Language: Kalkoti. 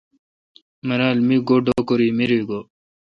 مرال۔ می گو ڈوکوری مری گو°